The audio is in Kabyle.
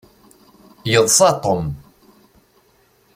Yeḍsa Tom.